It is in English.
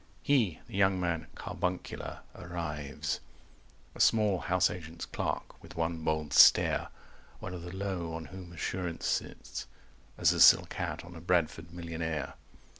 230 He, the young man carbuncular, arrives, A small house agent's clerk, with one bold stare, One of the low on whom assurance sits As a silk hat on a Bradford millionaire.